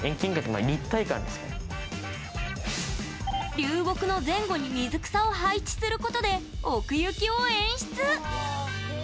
流木の前後に水草を配置することで奥行きを演出。